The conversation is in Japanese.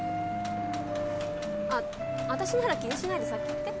あっ私なら気にしないで先行って。